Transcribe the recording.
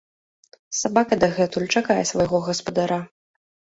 Сабака дагэтуль чакае свайго гаспадара.